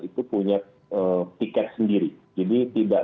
itu punya tiket sendiri jadi tidak